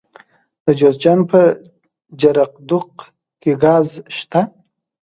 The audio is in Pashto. د جوزجان په جرقدوق کې ګاز شته.